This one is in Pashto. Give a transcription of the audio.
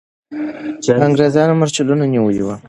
انګریزان مرچلونه نیولي وو.